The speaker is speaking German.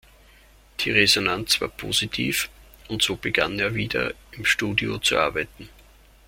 Die Resonanz war positiv, und so begann er wieder, im Studio zu arbeiten.